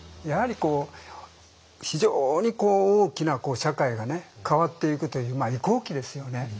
やはりこう非常に大きな社会がね変わっていくという移行期ですよね。